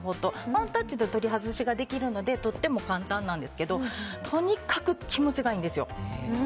ワンタッチで取り外しができるのでとても簡単なんですけどとにかく気持ちがいいんですよ。